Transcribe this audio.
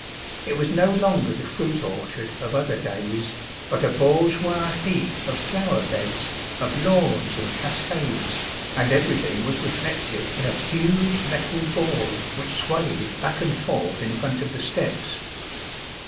It was no longer the fruit orchard of other days, but a bour geois heap of flower beds, of lawns and cascades, and everything was reflected in a huge metal ball which swayed back and forth in front of the steps.